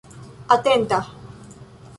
atenta